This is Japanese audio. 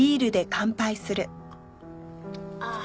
ああ。